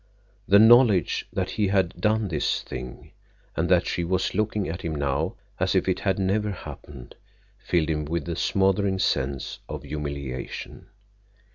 The knowledge that he had done this thing, and that she was looking at him now as if it had never happened, filled him with a smothering sense of humiliation.